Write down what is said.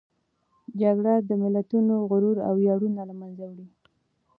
جګړه د ملتونو غرور او ویاړونه له منځه وړي.